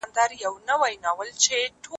ماشوم په ژړغوني غږ له وره بهر لاړ.